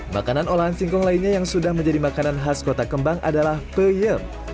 makanan olahan singkong lainnya yang sudah menjadi makanan khas kota kembang adalah peyem